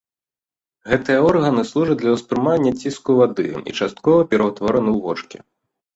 Гэтыя органы служаць для ўспрымання ціску вады і часткова пераўтвораны ў вочкі.